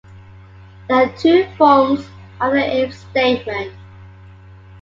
There are two forms of the if statement.